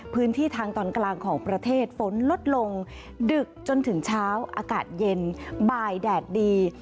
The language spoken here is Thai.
พื้นที่ทางตอนกลางของประเทศฝนลดลงดึกจนถึงเช้าอากาศเย็นบ่ายแดดดี